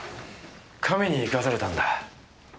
神に生かされたんだ。